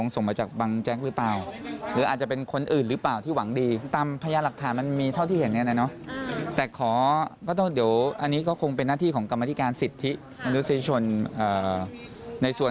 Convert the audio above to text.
ส่งโทรศัพท์มาให้รีบกู้เห็นว่ากู้เสร็จ๑๐๐แล้ว